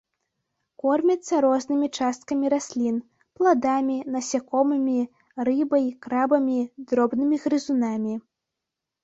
Кормяцца рознымі часткамі раслін, пладамі, насякомымі, рыбай, крабамі, дробнымі грызунамі.